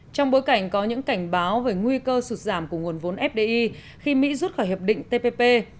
trong bối cảnh có những cảnh báo về nguy cơ sụt giảm của nguồn vốn fdi khi mỹ rút khỏi hiệp định tpp